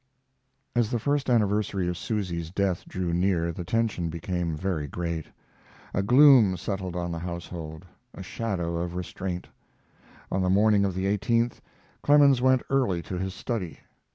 As the first anniversary of Susy's death drew near the tension became very great. A gloom settled on the household, a shadow of restraint. On the morning of the 18th Clemens went early to his study.